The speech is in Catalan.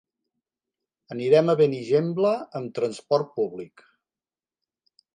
Anirem a Benigembla amb transport públic.